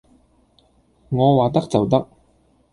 我話得就得